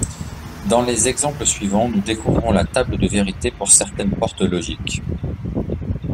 Dans les exemples suivants, nous découvrons la table de vérité pour certaine porte logique.